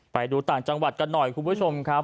ไปดูต่างจังหวัดกันหน่อยคุณผู้ชมครับ